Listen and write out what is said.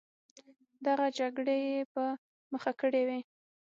دغه جګړې یې په مخه کړې وې.